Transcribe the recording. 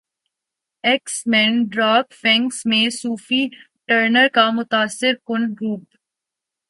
x Men Dark Phoenix میں Sophie Turner کا متاثر کن روپ